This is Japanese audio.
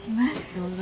どうぞ。